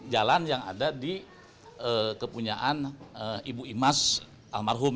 jalan yang ada di kepunyaan ibu imas almarhum